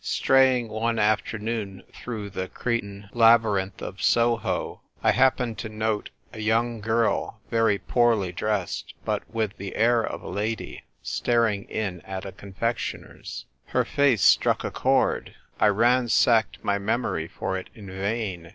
Straying one afternoon through the Cretan labyrinth of Soho, I happened to note a young girl, very poorly dressed, but with the air of a lady, staring in at a confectioner's. Her lace struck a chord. I ransacked my memory for it in vain.